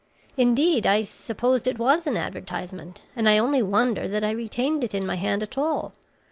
Indeed, I supposed it was an advertisement, and I only wonder that I retained it in my hand at all.